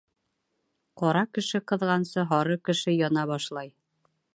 Ҡара кеше ҡыҙғансы, һары кеше яна башлай.